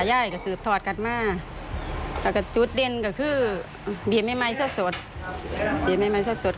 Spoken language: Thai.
และได้รับรางวัลจากเทศสบาน